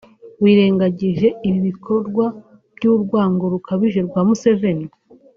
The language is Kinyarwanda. rwirengagije ibi bikorwa bw’urwango rukabije bya Museveni